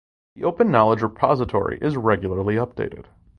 The Open Knowledge Repository is regularly updated.